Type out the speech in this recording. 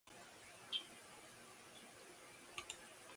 カルヴァドス県の県都はカーンである